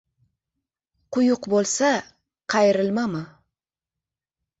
Quyuq bo‘lsa, qayrilmami?